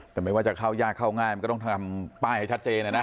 แต่ไม่ว่าจะเข้ายากเข้าง่ายมันก็ต้องทำป้ายให้ชัดเจนนะนะ